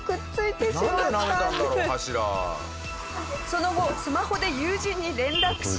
その後スマホで友人に連絡し。